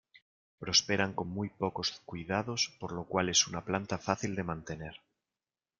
Prosperan con muy pocos cuidados, por lo cual es una planta fácil de mantener.